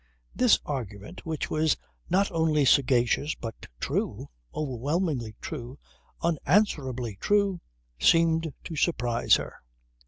This argument which was not only sagacious but true, overwhelmingly true, unanswerably true, seemed to surprise her.